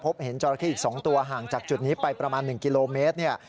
พบเห็นจราเข้อีก๒ตัวห่างจากจุดนี้ไปประมาณ๑กิโลเมตรเนี่ย